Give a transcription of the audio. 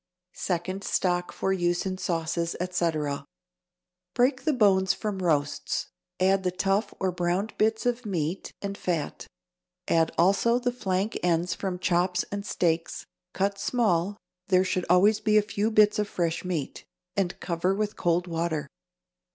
=Second Stock for Use in Sauces, Etc.= Break the bones from roasts; add the tough or browned bits of meat and fat; add also the flank ends from chops and steaks, cut small (there should always be a few bits of fresh meat), and cover with cold water.